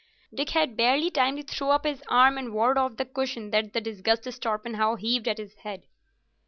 Dick had barely time to throw up his arm and ward off the cushion that the disgusted Torpenhow heaved at his head.